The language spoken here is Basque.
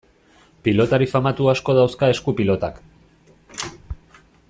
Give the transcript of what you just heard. Pilotari famatu asko dauzka esku-pilotak.